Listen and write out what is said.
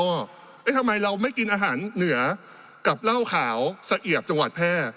ทำไมเราไม่กินอาหารเหนือกับเหล้าขาวสะเอียบจังหวัดแพร่